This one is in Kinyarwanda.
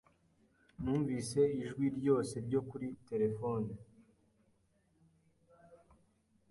Numvise ijwi ryose Ryo kuri terefone.